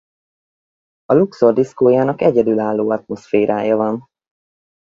A Luxor diszkójának egyedülálló atmoszférája van.